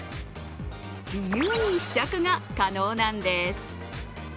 自由に試着が可能なんです。